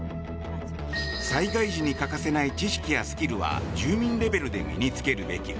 災害時に欠かせない知識やスキルは住民レベルで身に付けるべき。